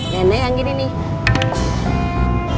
nenek yang gini nih